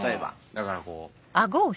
だからこう。